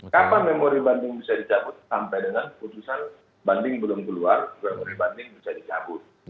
kapan memori banding bisa dicabut sampai dengan putusan banding belum keluar banding bisa dicabut